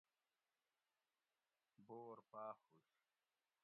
بور پاۤخ ہوش